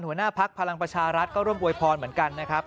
หัวหน้าพักพลังประชารัฐก็ร่วมอวยพรเหมือนกันนะครับ